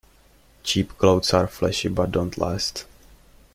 Cheap clothes are flashy but don't last.